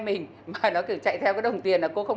tình trạng của con đúng không